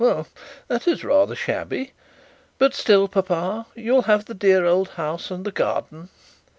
Well; that is rather shabby. But still, papa, you'll have the dear old house and garden?'